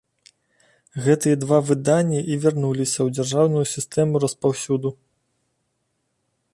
Гэтыя два выданні і вярнуліся ў дзяржаўную сістэму распаўсюду.